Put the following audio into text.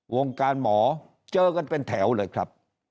วงการหมอเจอกันเป็นแถวเลยครับ